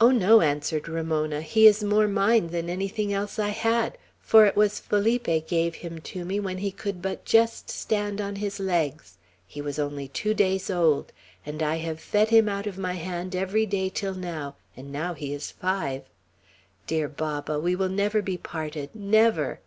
"Oh, no!" answered Ramona. "He is more mine than anything else I had; for it was Felipe gave him to me when he could but just stand on his legs; he was only two days old; and I have fed him out of my hand every day till now; and now he is five. Dear Baba, we will never be parted, never!"